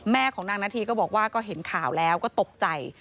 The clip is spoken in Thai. ของนางนาธีก็บอกว่าก็เห็นข่าวแล้วก็ตกใจ